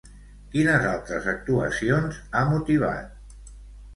Quines altres actuacions ha motivat?